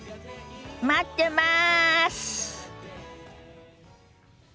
待ってます！